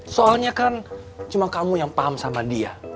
soalnya kan cuma kamu yang paham sama dia